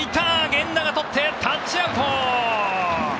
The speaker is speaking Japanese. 源田がとって、タッチアウト！